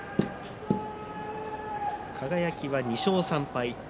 輝は２勝３敗。